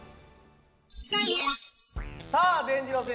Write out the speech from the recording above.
さあでんじろう先生